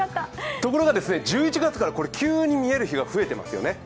ところが、１１月から急に見える日が増えていますよね。